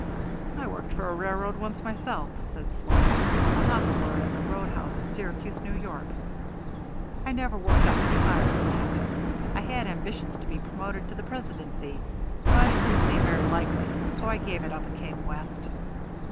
"I worked for a railroad once myself," said Sloan. "Was a hostler in the round house at Syracuse, New York. I never worked up any higher than that. I had ambitions to be promoted to the presidency, but it didn't seem very likely, so I gave it up and came West."